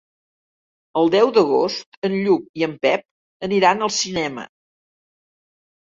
El deu d'agost en Lluc i en Pep aniran al cinema.